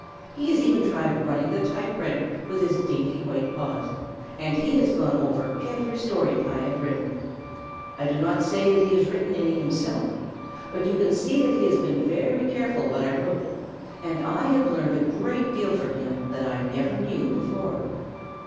He has even tried running the typewriter with his dainty white paws, and he has gone over every story I have written. I do not say that he has written any himself, but you can see that he has been very careful what I wrote, and I have learned a great deal from him that I never knew before.